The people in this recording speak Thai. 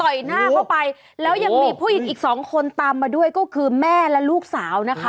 ยหน้าเข้าไปแล้วยังมีผู้หญิงอีกสองคนตามมาด้วยก็คือแม่และลูกสาวนะคะ